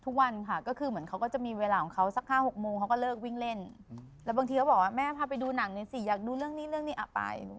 ทุกวันค่ะก็คือเหมือนเขาก็จะมีเวลาของเขาสัก๕๖โมงเขาก็เลิกวิ่งเล่นแล้วบางทีเขาบอกว่าแม่พาไปดูหนังนี่สิอยากดูเรื่องนี้เรื่องนี้อ่ะไป